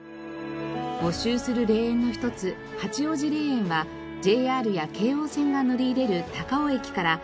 募集する霊園の一つ八王子霊園はＪＲや京王線が乗り入れる高尾駅からバスでおよそ１０分。